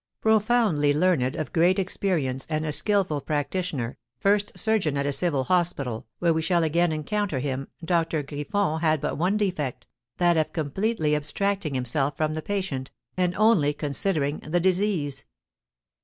Profoundly learned, of great experience, and a skilful practitioner, first surgeon at a civil hospital, where we shall again encounter him, Doctor Griffon had but one defect, that of completely abstracting himself from the patient, and only considering the disease.